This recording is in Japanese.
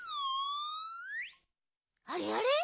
あれあれ？